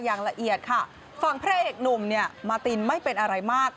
อย่างละเอียดค่ะฝั่งพระเอกหนุ่มเนี่ยมาตินไม่เป็นอะไรมาก